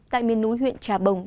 tại miền núi huyện trà bồng